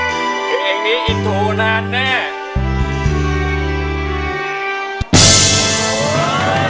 เพลงนี้อินโทรนานแน่